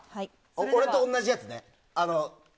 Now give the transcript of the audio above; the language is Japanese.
俺と同じやつね。